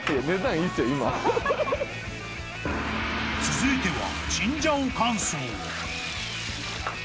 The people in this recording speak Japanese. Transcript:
［続いては］